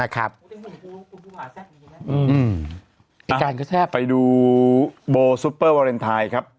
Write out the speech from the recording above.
นะครับอืมอีกอันก็แทบไปดูโบซุปเปอร์วาเรนไทน์ครับ